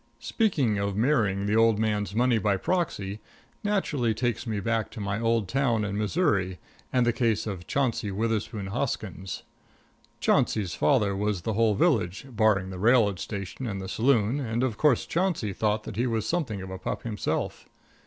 Speaking of marrying the old man's money by proxy naturally takes me back to my old town in Missouri and the case of Chauncey Witherspoon Hoskins. Chauncey's father was the whole village, barring the railroad station and the saloon, and, of course, Chauncey thought that he was something of a pup himself.